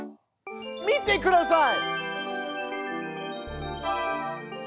見てください！